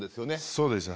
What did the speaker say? そうです。